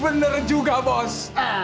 bener juga bos